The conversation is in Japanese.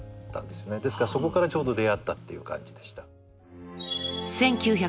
ですからそこからちょうど出会ったっていう感じでした。